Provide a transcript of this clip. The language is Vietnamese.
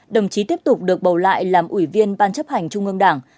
đồng chí tiếp tục được bầu lại làm ủy viên ban chấp hành trung ương đảng